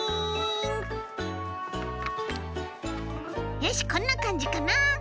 よしこんなかんじかな！